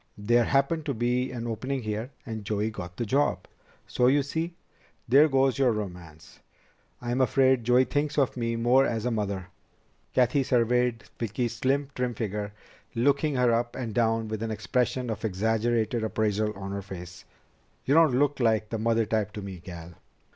There happened to be an opening here, and Joey got the job. So, you see, there goes your romance. I'm afraid Joey thinks of me more as a mother." Cathy surveyed Vicki's slim, trim figure, looking her up and down with an expression of exaggerated appraisal on her face. "You don't look like the mother type to me, gal."